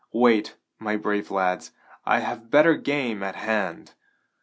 Wait, my brave lads, I have better game at hand!"